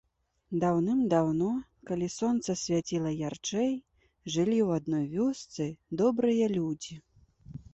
Даўным-даўно, калі сонца свяціла ярчэй, жылі ў адной весцы добрыя людзі.